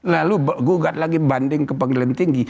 lalu gugat lagi banding ke pengadilan tinggi